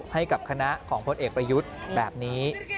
ให้กับคณะของพลเอกประยุทธ์แบบนี้